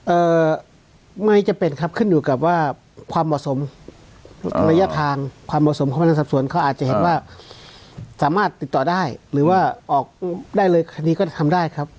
เอ่อไม่จำเป็นครับขึ้นอยู่กับว่าความเหมาะสมระยะทางความเหมาะสมของพนักงานสอบสวนเขาอาจจะเห็นว่าสามารถติดต่อได้หรือว่าออกได้เลยคดีก็ทำได้ครับ